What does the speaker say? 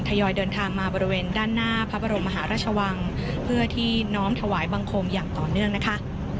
ยอยเดินทางมาบริเวณด้านหน้าพระบรมมหาราชวังเพื่อที่น้อมถวายบังคมอย่างต่อเนื่องนะคะ